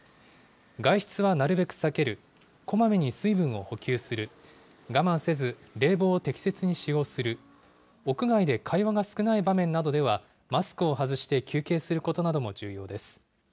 外出はなるべく避ける、こまめに水分を補給する、我慢せず冷房を適切に使用する、屋外で会話が少ない場面などではマスクを外して休憩することなども重要です。